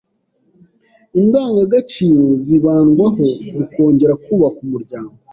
indangagaciro zibandwaho mu kongera kubaka umuryango